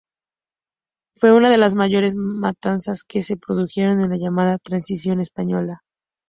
Fue una de las mayores matanzas que se produjeron en la llamada Transición española.